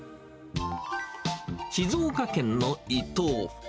静岡県の伊東。